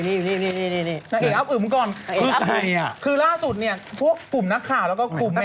มีลูกทั้งคนเข้าไปเรียกขนาดแบบนะ